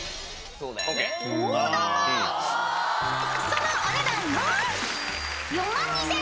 ［そのお値段は］